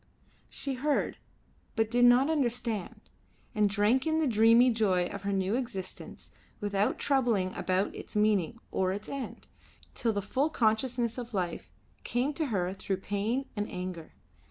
She heard, but did not understand, and drank in the dreamy joy of her new existence without troubling about its meaning or its end, till the full consciousness of life came to her through pain and anger.